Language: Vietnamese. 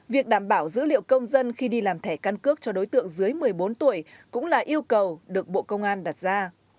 việc đảm bảo dữ liệu công dân khi đi làm thẻ căn cước cho đối tượng dưới một mươi bốn tuổi cũng là yêu cầu được bộ công an đặt ra